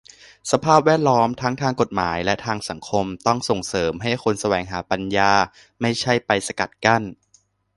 สภาพแวดล้อมทั้งทางกฎหมายและทางสังคม ต้องส่งเสริมให้คนแสวงหาปัญญา ไม่ใช่ไปสกัดกั้น